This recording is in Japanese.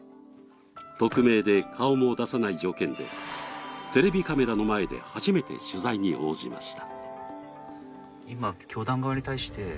匿名で顔も出さない条件でテレビカメラの前で初めて取材に応じました。